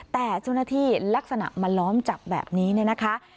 แต่เจ้าหน้าที่ลักษณะมาล้อมจับแบบนี้เนี่ยนะคะ